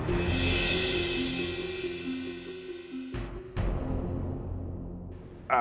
aku tidak bermaksud membentakmu